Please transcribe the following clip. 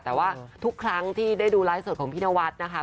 แต่ว่าทุกครั้งที่ได้ดูไลฟ์สดของพี่นวัดนะคะ